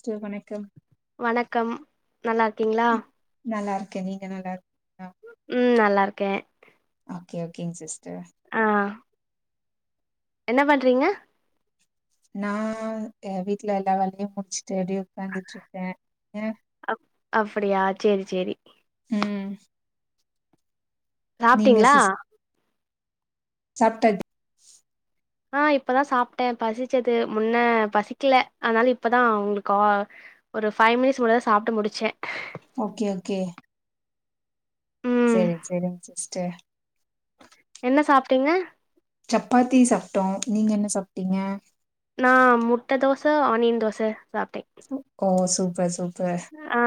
ஸ்டர் வணக்கம். வணக்கம். நல்லார்க்கிங்ளா? நல்லார்க்கே நீங்க நல்லா [inaudible] ம் நல்லார்க்கே. ஓகே ஓகேங் சிஸ்டர். அ என்ன பண்றீங்க? நா எ வீட்ல எல்லா வேலையு முடிச்சிட்டு அப்டியே உக்காந்திட்ருக்கே. எ அப் அப்டியா சேரி சேரி. ம். நீங்க சாப்ட்டீங்களா சிஸ் சாப்ட்டா ஆ இப்பதா சாப்ட்டே பசிச்சது முன்ன பசிக்ல அதனால இப்பதா உங்களுக்கு ஆ ஒரு ஃபைவ் மினிட்ஸ் முன்னதா சாப்ட்டு முடிச்சே ஓகே ஓகே ம் செரி செரி ட என்ன சாப்ட்டீங்க சப்பாத்தி சாப்ட்டோ நீங்க என்ன சாப்ட்டீங்க நா முட்ட தோச ஆனியன் தோச சாப்ட்டே ஒ கோ சூப்பர் சூப்பர் ஆ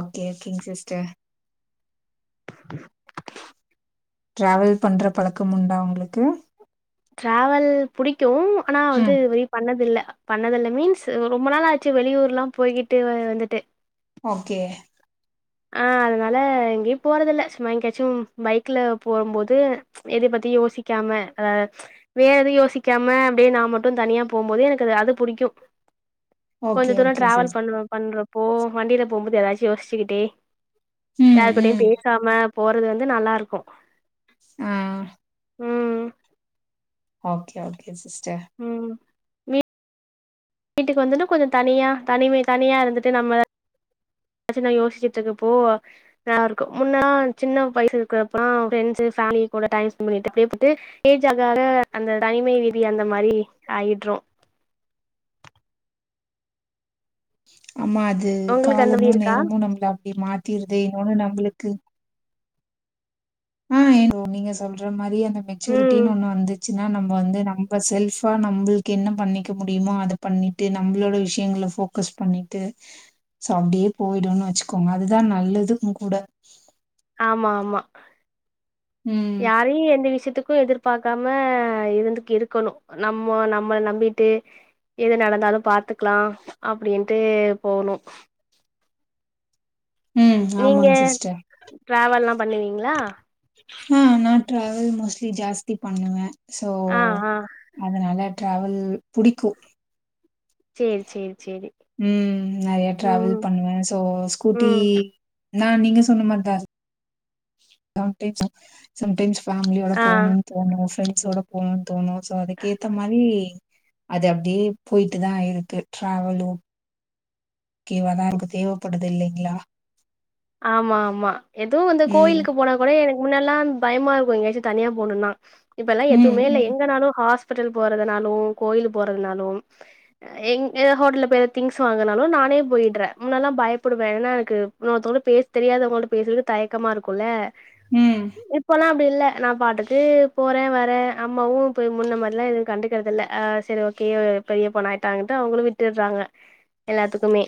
ஓகே கேங் சிஸ்டர் ட்ராவல் பண்ற பழக்கம் உண்டா உங்களுக்கு ட்ராவல் புடிக்கூ ஆனா வந்து ம் இதுவரை பண்ணதில்ல பண்ணதில்ல மீன்ஸ் ரொம்ப நாளாச்சு வெளியூர்லாம் போய்கிட்டு வந்துட்டு ஓகே ஆ அதனால எங்கேயு போறதில்ல சும்மா எங்கேயாச்சும் பைக்ல போம்போது எத பத்தி யோசிக்காம ஆ வேறெதையூ யோசிக்காம அப்டியே நா மட்டு தனியா போம்போது எனக்கு அது புடிக்கூ ஓகே கொஞ்ச தூரோ ஓகே டிராவல் சிஸ் பண்ணுவ பண்றப்போ வண்டில போம்போது எதாச்சு யோசிச்சுக்கிட்டே ம் யாரு கூடயு ம் பேசாம போறது வந்து நல்லாருக்கூ ஆ ம் ஓகே ஓகே சிஸ்டர் ம் வீ வீட்டுக்கு வந்துட்டு கொஞ்சோ தனியா தனிமை தனியா இருந்துட்டு நம்ம அச்சி நா யோசிச்சுட்டுக்கப்போ நல்லாருக்கூ முன்னா சின்ன வயசுருக்குறப்போ ஃப்ரண்ட்ஸு ஃபேமிலி கூட டைம் ஸ்பெண்ட் [inaudible] ஏஜ் ஆகாக அந்த தனிமை வீதி அந்த மாரி ஆயிட்றோ ஆமா அது உங்களுக்கு அந்த காலமு மாரி இருக்கா நேரமு நம்ள அப்டி மாத்திருது இன்னொன்னு நம்ளுக்கு ஆ ஏனு நீங்க சொல்ற மாரி அந்த ம் மெச்சூரிட்டின் ஒன்னு வந்துச் சுனா நம்ம வந்து நம்ம செல்ஃபா நம்மள்க்கு என்ன பண்ணிக்க முடியுமோ அத பண்ணிட்டு நம்மளோட விஷ்யங்கள ஃபோக் கஸ் பண்ணிட்டு சோ அப்டியே போயிடுன் வச்சுக்கோங்க அதுதா நல்லதூங் கூட ஆமா ஆமா ம். யாரையு எந்த விஷ்யத்துக்கூ எதிர் பாக்காம இருந்துக் இருக்கணு நம்மோ நம்ம நம்பிட்டு எது நடந்தாலு பாத்துக்லா அப்டின்ட்டு போணு ம். நீங்க ஆமாங்க சிஸ்டர். ட்ராவல்லா பண்ணுவீங்களா ஆ நா ட்ராவல் மோஸ்ட்லி ஜாஸ்தி பண்ணுவே ஸோ ஆ ஆ அதனால டிராவல் புடிக்கூ சேர் சேர் சேரி ம் நறைய டிராவல் ம் பண்ணுவே சோ ஸ்கூட்டி ம் நா நீங்க சொன்ன மார் தா உஹ ஆ டேப்போ சம்டைம்ஸ் ஃபேமிலியோட ஆ போணூ தோணு ஃப்ரெண்ட்ஸோட போணுன் தோணு சோ அதுக்கேத்த மாரி அது அப்டியே போயிட்டு தா இருக்கு டிராவலு கேவாதா எனக்கு தேவைப்படுது இல்லைங்ளா ஆமா ஆமா எதுவு வந்து ம் கோயில்கு போனா ஒரே எனக் முன்னலா பயமா இருக்கூ எங்கயாச்சு தனியா போணுன்னா இப்பெல்லா ம் எதுவுமேல்ல ம் எங்கனாலு ஹாஸ் பிட்டல் போறதுனாலு கோயில் போறதுனாலு எங் எதா ஹோட்டல்ல போய் திங்ஸ் வாங்கனாலு நானே போய்ட்றே முன்னெல்லா பயப்புடுவே எதுனா எனக்கு இன்னோர்த்தவங்கக் பேஸ் தெரியாதவங்கள்ட்ட பேசுறது தயக்கமா இருக்கோல ம் இப்பலா அப் பில்ல நான் பாட்டுக்கு போறே வரே அம்மாவு இப்ப முன்ன மாரிலா எதுவு கண்டுக்கிறது இல்ல ஆ செரி ஓகே பெரிய பொண்ணா ஆயிட்டாங்கட்டு அவங்களு விட்டுர்றாங்க எல்லாத்துக்குமே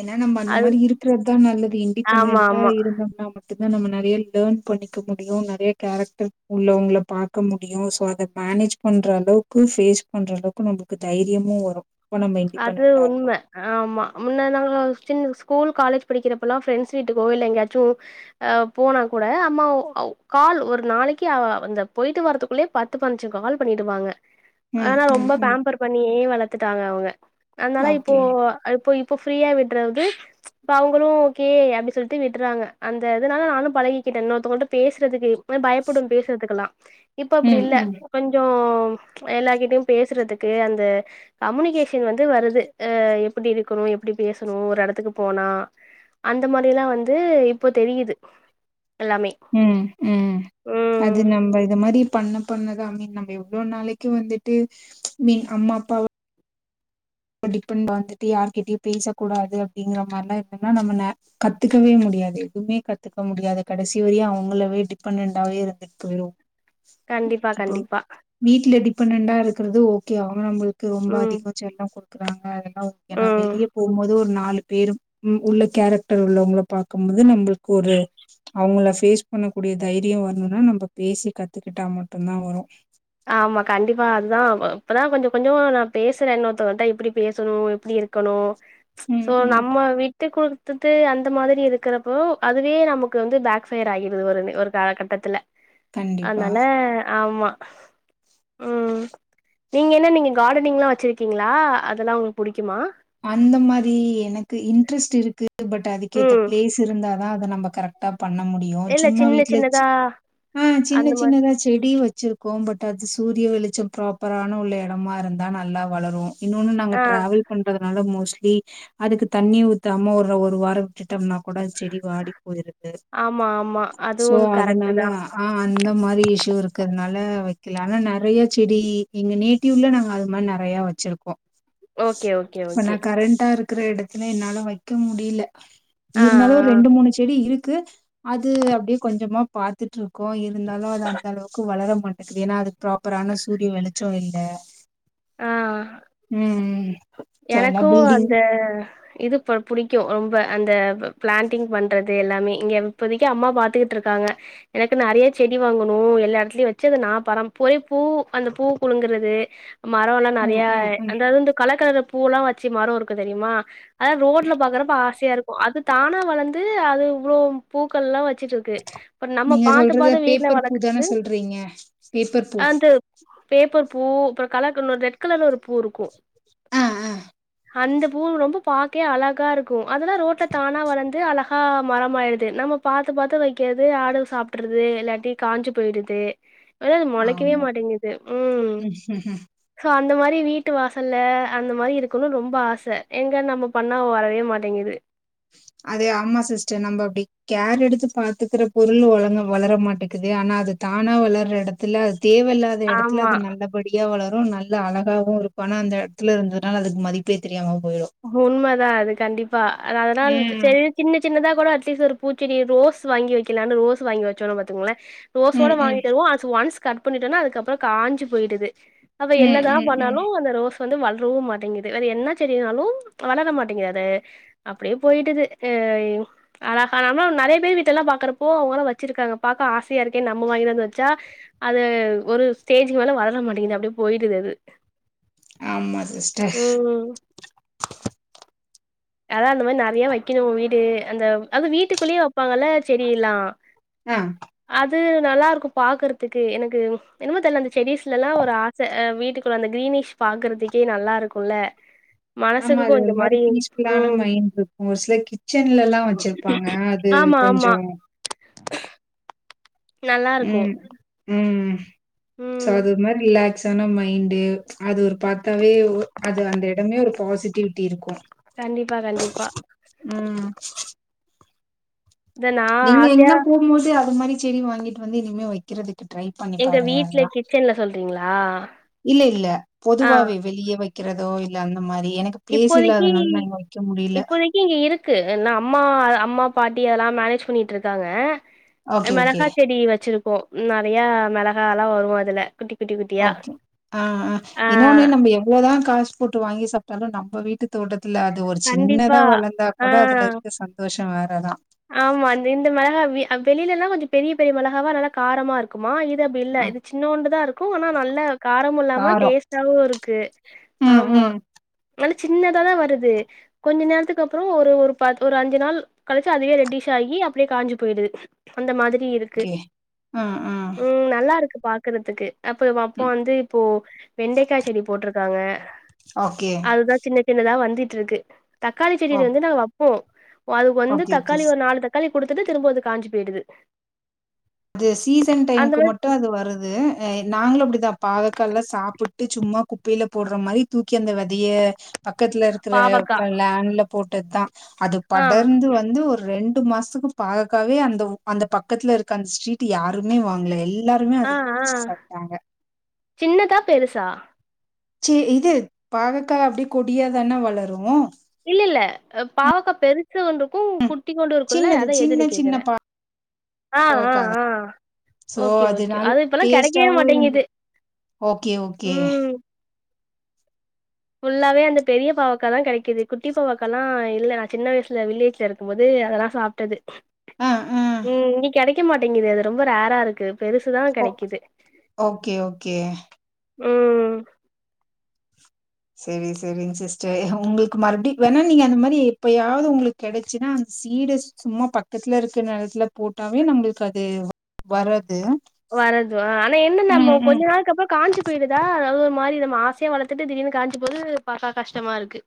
ஏன்னா நம்ப அந்த அது மாதிரி இருக்கிறதுதா நல்லது ஆமா இன்டிபெண்டன்டா ஆமா இருந்தோம்னா தா நம்ம நெறயா லேர்ன் பண்ணிக்க முடியு நெறய கேரக்டர் உள்ளவங்ள பாக்க முடியு சோ அத மேனேஜ் பண்ற அளவுக்கு ஃபேஸ் பண்ற அளவுக்கு நமக்கு தைரியமு வரு நம்ம அது இண்டிபெண்டன்டா உண்ம இருக்கோ ஆமா முன்ன நாங்களா சின் ஸ்கூல் காலேஜ் படிக்கிறப்ப எல்லா ஃப்ரெண்ட்ஸ் வீட்டுக்கோ இல்ல எங்கேயாச்சு அ போனா கூட அம்மா ஒ கால் ஒரு நாளைக்கு அ அந்த போயிட்டு வர்துக்குள்ளயே பத்து பன்சு கால் பண்ணிடுவாங்க ம் ஆனா ம் ரொம்ப ம் பேம்பர் பண்ணியே வளத்துட்டாங்க அவுங்க அன்னால இப்போ ஓகே இப்போ இப்போ ஃப்ரீயா விட்றது இப்ப அவங்களு ஓகே அப்டி சொல்ட்டு விட்றாங்க அந்த இதனால நானு பழகிக்கிட்டே இன்னொருத்தங்கள்ட்ட பேசுறதுக்கே பயப்புடும் பேசுறதுக்கெலா இப்ப அப்டி ம் இல்ல ம் கொஞ்சோ எல்லார் கிட்டயு பேசுறதுக்கு அந்த கம்யூனிகேஷ் ன் வந்து வருது அ எப்டி இருக்கணு எப்டி பேசணு ஒரு எடத்துக்கு போனா அந்த மாரிலா வந்து இப்போ தெரியுது எல்லாமே ம் ம் ம் அது நம்ப இத மாரி பண்ண பண்ணதா மீன் நம்ப எவ்ளோ நாளைக்கு வந்துட்டு மீன் அம்மா அப்பாவ ப டிபெண்ட்டா இருந்துட்டு யார்கிட்டயு பேசக்கூடாது அப்டிங்கிற மாரிலா இருந்தோம்னா நம்ம நே கத்துக்கவே முடியாது எதுமே கத்துக்க முடியாது கடைசி வரையு அவங்களவே டிபெண்டண்டாவே இரு க்கு வெறு கண்டிப்பா இப்போ கண்டிப்பா வீட்ல டிபெண்டண்டா இருக்குறது ஓகே அவ நம்மளுக் க்கு ரொம்ப ம் அதிகோ செல்லம் குடுக்குறாங்க ரெண்டாவது ஆன ம் வெளியே போகுபோது ஒரு நாலு பேரும் ம் உள்ள கேரக்டர் உள்ளவங்கள பாக்கும்போது நம்பளுக்கு ஒரு அவுங்கள பேஃஸ் பண்ணக்கூடிய தைரியோ வரணுனா நம்ப பேசி கத்துக்கிட்டா மட்டுந்தா வரு ஆமா கண்டிப்பா அதுதா இப்பதா கொஞ்சோ கொஞ்சோ நா பேசுறே இன்னொருத்தவங்க கிட்ட எப்டி பேசணு எப்டி இருக் க்கணு சோ ம், ம். நம்ம வீட் து குத்துது அந்த மாதிரி இருக்கிறப்போ அதுவே நமக்கு வந்து பேக் ஃபயரா ஆகிடுது ஒரு ஒரு கா கட்டத்துல்ல கண்டிப்பா. அனால ஆமா ம் நீங்க என்ன நீங்க கார்டனிங்லா வச்சுருக்கீங்ளா அதெல்லா ஒங்களுக் புடிக்குமா அந்த மாரி எனக்கு இன்ட்ரெஸ்ட் இருக்கு பட் அதுக்கேத்த ம் பிளேஸ் இருந்தா தா அத நம்ப கரெக்ட் டா பண்ண முடியு இல்ல சும்மா சின்ன வீட்டுலச்சு சின்னதா ஆ சின்ன அந்த மாரி சின்னதா செடியு வச்சிரு கோம் பட் அது சூரிய வெளிச்சம் ப்ராப்பரான உள்ள எடமா இருந்தா நல்லா வளரு இன்னொன்னு நாங்க ஆ டிராவல் அதனால மோஸ்ட்லி அதுக்கு தண்ணி ஊத்தாம ஒரு ஒரு வார விட்டுட்டோம்னா கூட செடி வாடி போயிருது ஆமா ஆமா சோ அதுவு கரெக்ட்டு அதுனால தா ஆ அந்த மாரி இஷ்யூ இருக்குதுனால வக்கல ஆனா நெறய செடி இங்க நீட் ட்டி உள்ள நாங்க அது மாரி நெறயா வச்சிருக்கோ ஓகே ஓகே ஓகே கரண்டா இருக்கிற எடத்துல என்னால வக்க முடியல ஆ இருந்தாலு ரெண்டு மூணு செடி இருக்கு அது அப்டியே கொஞ்சமா பாத் த்துட்ருக்கோ இருந்தாலு அது அந்த அளவுக்கு வளர மாட்டேக்குது ஏனா அது ப்ராப்பரான சூரிய வெளிச்சோ இல்ல ஆ ம் சோ எனக்கு எல்லாம் பில்டிங் அந்த இதுப் ப புடிக்கு ரொம்ப அந்த பிளாண்டிங் பண்றத் து எல்லாமே இங்க இப்போதைக்கு அம்மா பாத்துகிட்டு இருக்காங்க எனக்கு நெறயா செடி வாங்கணு எல்லா இடத்துலயும் வெச்சு அது நா பராம் போய் பூ அந்த பூ குழுங்குறது மரொலா ம், நெறயா ம், ம். அந்தா இருந்து கலர் கலரா பூவெலா வெச்சு மரொ இருக்கு தெரிமா ஆதா ரோட்ல பாக்கறப்ப ஆசையா இருக் கு அது தானா வளந்து அது இவ்ளோ பூக்கள்லா வச்சிட்ருக்கு ப்ப நம்ம நீங்க பாத்து சொல்றது பாத்து வீட்ல பேப்பர் பூ தான வளக்குது சொல்றீங்க? பேப்பர் பூ. ஆ ந்த பேப்பர் பூ அப்ற கலர் கலர் ரெட் கலர்ல ஒரு பூ இருக்கு ஆ ஆ அந்த பூ ரொம்ப பாக்கே அழகா இருக்கு அதெல்லா ரோட்ல தானா வளந்து அழகா ஆ மரமாயிடுது நம்ம பாத்து பாத்து வைக்கிறது ஆடுங்க சாப்ட்ருது இல்லாட்டி காஞ்சு போயிடுது அது அது மொளைக்கவே ஆமா. மாட்டேங்குது ம் சோ அந்த மாரி வீட்டு வாசல்ல அந்த மாரி இருக் குனு ரொம்ப ஆச எங்க நம்ப பண்ணா வரவே மாட்டேங்குது அது ஆமா சிஸ்டர் நம்ப அப்டி கேர் எடுத்து பாத்துக்குற பொருள் ஒழுங்கா வளர மாட்டேக்குது ஆனா அது தானா வளர்ற எடத்துல அது தேவையில்லாத எடத்துல ஆமா அது நல்ல படியா வளரு நல்ல அழகாவு இருக்கு ஆனா அந்த எடத்துல இருந்தனால அதுக்கு மதிப்பே தெரியாம போய்டும் உண்மதா அது கண்டிபா அது அதனால ம் செரி சின்ன சின்னதா கூட அட்லீஸ்ட் ஒரு பூச்செடி ரோஸ் வாங்கி வெக்கலானு ரோஸ் வாங்கி வெச்சோனு பாத்துங்ளே ரோஸோட ம் ம் வாங்கிட்டு வருவோ அது ஒன்ஸ் கட் பண்ணிட்டோனா அதுக்கப்றோ காஞ்சு போயிடுது அத ம் என்னதா ம் ம் பண்ணாலு அந்த ரோஸ் வந்து வளரவு மாடிங்கிது அது என்ன செடினாலு வளர மாட்டிங்கது அது அப்டியே போயிடுது அ அழகா நம்மளு நெறய பேர் வீட்லலா பாக்றப்போ அவுங்களா வெச்சிருகாங்க பாக்க ஆசையாருக்கேனு நம்ம வாங்கினு வந்து வெச்சா அது ஒரு ஸ்டேஜிக்கு மேலே வளர மாட்டிங்குது அப்டியே போயிருது அது ஆமா சிஸ்டர் ம் அதா அந்த மாரி நெறயா வைக்கணு வீடு அந்த அது வீட்டுகுள்ளேயே வெப்பாங்கல்ல செடிலா ஆ அது நல்லா இருக்கு பாக்றதுக்கு எனக்கு என்னமோ தெர்ல அந்த செடிஸ்லலா ஒரு ஆர் செ அ வீட்டுக்குள்ள அந்த கிரீனிஷ் பாக்குறதுக்கே நல்லா இருக்குல மனசுக்கு கொஞ்சோ மாரி ஃபுல்லான ம் மைண்ட் இருக்கு ஒரு சிலர் கிச்சன்லலா வெச்சிருப்பாங்க அது ஆமா ஆமா கொஞ்சோ நல்லாருக்கு ம் ம் சோ ம் அது ஒருமாரி ரிலாக்ஸ் சான மைண்டு அது ஒரு பா த்தாவே அது அந்த எடமே ஒரு பாசிட்டிவிட்டி இருக்கு கண்டிப்பா கண்டிப்பா ம் இத நா நீங்க ஆசையா எங்கனா போகும்போது அது மாரி செடி வாங்கிட்டு வந்து இனிமே வெக்கிறதுக்கு ட்ரை பண்ணி எங்க பாருங்க வீட்ல எல்லா கிச்சன்ல சொல்றீங்களா இல்ல இல்ல ஆ பொதுவாவே வெளியே வெக் கிறதோ இல்ல அந்த மாரி எனக்கு பிளேஸ் இல்ல இப்போதைக்கு அதனால நா இங்க வெக்க முடில இப்போதைக்கு இங்க இருக்கு நா அம்மா அம்மா பாட்டி அதெல்லா மேனேஜ் பண்ணிட்டுருக்காங்க அ ஓகே ஓகே மெளகா செடி வெச்சிருக்கோ நெறயா மெளகாலா வரு அதுல குட்டி குட்டி குட் ஓகே ஆ ஆ இன்னொன்னு நம்ப எவ்ளோதா‌ காசு போட்டு வாங்கி சாப்டாலு நம்ப வீட்டு தோட்டத்துல அது ஒரு கண்டிப்பா சின்னதா வளந்தா ஆ கூட அதுல இருக்க சந்தோஷோ வேறதா ஆமா இந் இந்த மெளகா அ வெளிலலா கொஞ்சோ பெரிய பெரிய மெளகாவா நல்லா காரமா இருக்குமா இது அப்டி இல்ல ம் இது சின்னோண்டுதா இருக்கு ஆனா நல்ல காரமு இல்லாம காரோ டேஸ்ட்டாவு இருக்கு ம் ஆமா ம் நல்ல சின்னதாதா வருது கொஞ்ச நேரத்துக்கு அப்றோ ஒரு ஒரு பத் ஒரு அஞ்சு நாள் கழிச்சு அதுவே ரெட்டிஷ் ஆகி அப்டியே காஞ்சு போயிருது அந்த மாரி இரு க்கு ஓகே ம் நல்லா இருக்கு பாக்றதுக்கு அப்ப இவ அப்பா ம். வந்து இப்போ வெண்டக்காய் செடி போட்ருகாங்க ஓகே அதுதா சின்ன சின்னதா வந்துட்டுருக்கு தக்காளி ஓ செடில வந்து நா வப்போ அது ஓகே வந்து ஓகே தக் சிஸ் நாலு தக்காளி குடுத்துட்டு திரும்போ அது காஞ்சு போயிடுது அது சீசன் அந்த டைம்க்கு மாரி மட்டு அது வருது அ நாங்களு அப்டிதா பாகக்காலா சாப்புட்டு சும்மா குப்பைல போட்ற மாரி தூக்கி அந்த வெதைய பக்கத்துல இருக்கிற பாவக்கா லேண்ட்ல போட்டதுதா அது ஆ படர்ந்து வந்து ஒரு ரெண்டு மாசத்துக்கு பாகக்காவே அந்த ஒ அந்த பக்கத்துல இருக் க்க அந்த ஸ்ட்ரீட் யாருமே வாங்கல எல்லாருமே ஆ அதுலயே ஆ பிச்சி சாப்ட்டாங்க சின்னதா பெருசா சி இது பாகக்கா அப்டியே கொடியாதான வளரு இல்ல இல்ல அ பாவக்கா பெருசு ஒன்னுருக்கு குட்டியோண்டு இருக்குல சின்னது அதா எதுனு சின்ன சின்ன கேக்குறே ஆ ஆ பாகக்காதா ஆ சோ ஓகே ஓகே அதனால அது இப்பலா கெடைக்கவே டேஸ்ட்டாவு மாட்டிங்குது இருந்தது ஓகே ஓகே ஃபுல்லாவே அந்த பெரிய பாவக் காதா கெடைக்குது குட்டி பாவாக்கலா இல்ல நா சின்ன வயசுல வில்லேஜ்ல இருக்கும்போது அதெல்லா சாப்ட்டது ஆ ஆ ம் இங்கே கெடைக்க மாட்டிங்குது அது ரொம்ப ரேரா இருக்கு பெருசுதா ஓ கெடைக்குது ஓகே ஓகே ம் செரி செரிங் சிஸ்டர் எ உங்களுக்கு மறுபடி வேணா நீங்க அந்த மாரி எப்பயாவ்து உங்ளுக் கெடச்சுனா அந்த சீட சும்மா பக்கத்துல இருக்க நெலத்துல போட்டாவே நம்மளுக்கு அது வரது வரது ஆ ஆனா என்ன நம்மோ கொஞ்ச நாளுக்கப்றோ காஞ்சு போயிருதா அது ஒரு மாரி நம்ம ஆசையா வளத்துட்டு திடீர்னு காஞ்சு போது பாக்கா கஷ்டமாருக்கு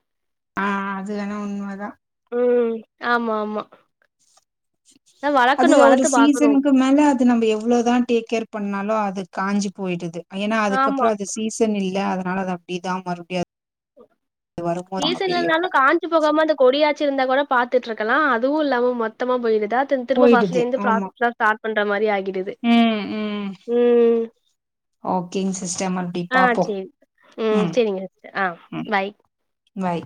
ஆ அது வேணா உண்மதா ம் ஆமா ஆமா அதா வளக்கணு அதுல ஒரு வளத்து பாக்கணு சீசனுக்கு கு மேல அது நம்ப எவ்ளோதா டேக் கேர் பண்ணாலு அது காஞ்சு போய்டுது ஏனா ஆமா அதுக்கப்றோ அது சீசன் இல்ல அதனால அது அப்டிதா மறுபடியு அது வரும்போது அவங்க சீசன் இல்லனாலு பெரியவங்க காஞ் ஞ்சு போகாம அந்த கொடியாச்சி இருந்தா கூட பாத்துட்டுருக்கலா அதுவு இல்லாம மொத்தமா போயிருதா திரும் திரும்ப போயிடுது ஃபஸ்ட்லேந்து ஆமா ப்ராசஸ்லா ஸ்டார்ட் பண்ற மாரி ஆகிடுது ம் ஓகேங் சிஸ்டர் மறுபடி ஆ பாப்போ சேரி ம் சேரிங்க சிஸ்டர் ஆ ம் பாய் வை